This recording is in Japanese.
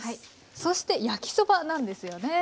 そして焼きそばなんですよね。